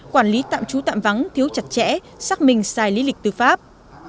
quản lý tạm trú tạm vắng thiếu chặt chẽ xác minh sai lý lịch tư pháp